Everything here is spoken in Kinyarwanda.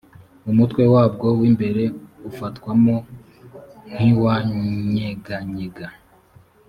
umutwe wabwo w imbere ufatwamo ntiwanyeganyega